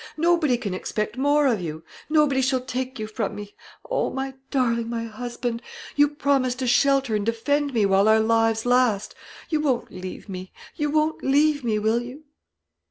Nobody can expect more of you; nobody shall take you from me. O my darling, my husband, you promised to shelter and defend me while our lives last! You won't leave me you won't leave me, will you?"